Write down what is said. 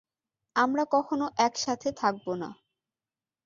আমরা কখনো একসাথে থাকবো না।